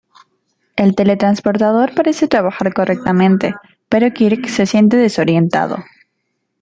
El teletransportador parece trabajar correctamente pero Kirk se siente desorientado.